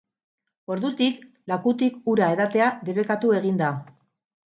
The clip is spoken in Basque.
Ordutik, lakutik ura edatea debekatu egin da.